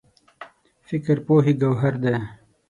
فکر پوهې ګوهر دی.